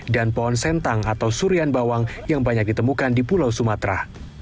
dan pohon sentang atau surian bawang yang banyak ditemukan di pulau sumatera